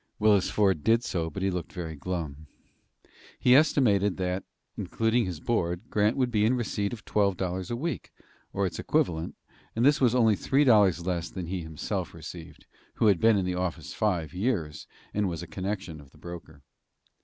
Willis Ford did so, but he looked very glum. He estimated that, including his board, Grant would be in receipt of twelve dollars a week, or its equivalent, and this was only three dollars less than he himself received, who had been in the office five years and was a connection of the broker.